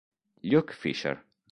Luke Fischer